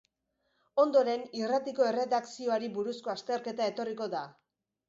Ondoren, irratiko erredakzioari buruzko azterketa etorriko da.